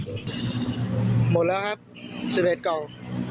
หมดแล้วครับ๑๑กล่อง